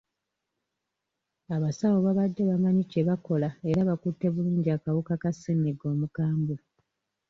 Abasawo babadde bamanyi kye bakola era bakutte bulungi akawuka ka ssennyiga omukambwe.